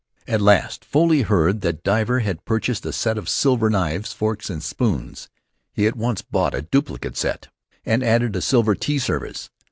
At last Foley heard that Divver had purchased a set of silver knives, forks and spoons. He at once bought a duplicate set and added a silver tea service.